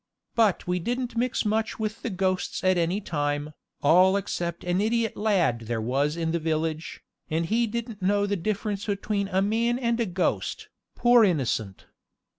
But we didn't mix much with the ghosts at any time, all except an idiot lad there was in the village, and he didn't know the difference between a man and a ghost, poor innocent!